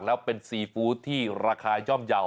แล้วเป็นซีฟู้ดที่ราคาย่อมเยาว์